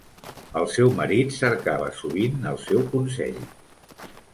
El seu marit cercava sovint el seu consell.